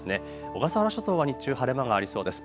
小笠原諸島は日中、晴れ間がありそうです。